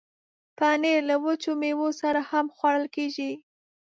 پنېر له وچو میوو سره هم خوړل کېږي.